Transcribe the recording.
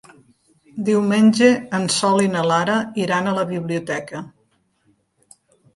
Diumenge en Sol i na Lara iran a la biblioteca.